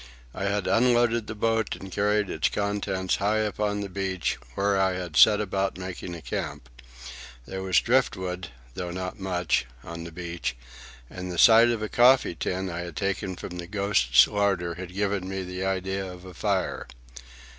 I had unloaded the boat and carried its contents high up on the beach, where I had set about making a camp. There was driftwood, though not much, on the beach, and the sight of a coffee tin I had taken from the Ghost's larder had given me the idea of a fire.